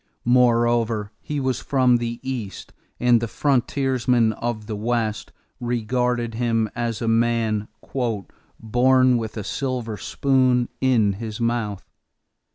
Moreover, he was from the East and the frontiersmen of the West regarded him as a man "born with a silver spoon in his mouth."